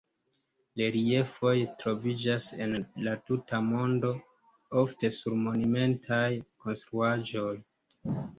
Reliefoj troviĝas en la tuta mondo, ofte sur monumentaj konstruaĵoj.